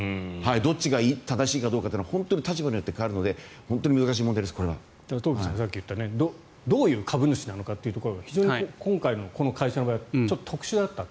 どっちが正しいかどうかというのは立場によって変わるので東輝さんがさっき言ったどういう株主なのかってところが非常に今回のこの会社の場合はちょっと特殊だったと。